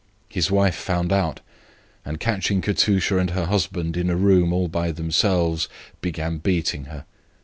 His wife found it out, and, catching Katusha and her husband in a room all by themselves, began beating her.